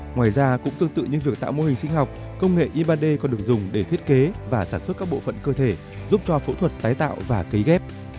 ngoài ra cũng tương tự như việc tạo mô hình sinh học công nghệ iba còn được dùng để thiết kế và sản xuất các bộ phận cơ thể giúp cho phẫu thuật tái tạo và cấy ghép